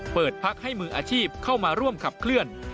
เปิดพักให้มืออาชีพเข้ามาร่วมขับเคลื่อน